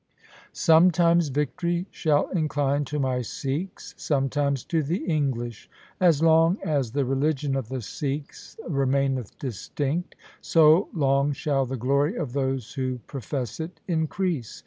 Sometimes victory shall incline to my Sikhs, some times to the English. As long as the religion of the Sikhs remaineth distinct, so long shall the glory of those who profess it increase.